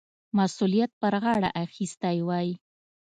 مسؤلیت پر غاړه اخیستی وای.